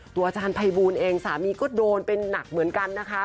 อาจารย์ภัยบูลเองสามีก็โดนเป็นหนักเหมือนกันนะคะ